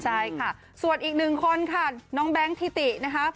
ใช่ค่ะส่วนอีกหนึ่งคนค่ะน้องแบงค์ทิตินะคะ